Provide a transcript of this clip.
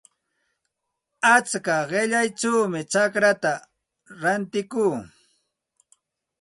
Achka qillayćhawmi chacraata rantikuu.